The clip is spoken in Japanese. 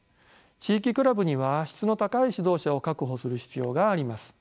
地域クラブには質の高い指導者を確保する必要があります。